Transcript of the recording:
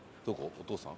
お父さん？